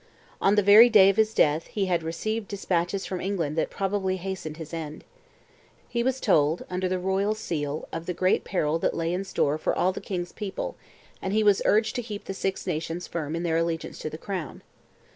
On the very day of his death he had received dispatches from England that probably hastened his end. He was told, under the royal seal, of the great peril that lay in store for all the king's people, and he was urged to keep the Six Nations firm in their allegiance to the crown.